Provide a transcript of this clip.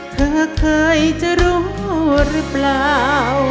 เธอเคยจะรู้หรือเปล่า